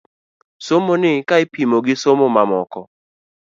Somoni ka ipimo gi somo mamoko .